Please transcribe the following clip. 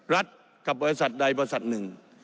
รัฐกับประวัติศาสตร์ใดประวัติศาสตร์หนึ่ง